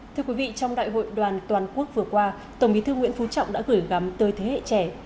thưa quý vị trong đại hội đoàn toàn quốc vừa qua tổng bí thư nguyễn phú trọng đã gửi gắm tới thế hệ trẻ